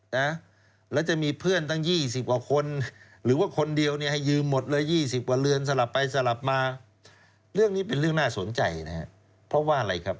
ดิฉันก็ไม่เคยคิดว่ามันจะเป็นของต้องยืม